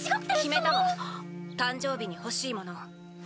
決めたわ誕生日に欲しいもの。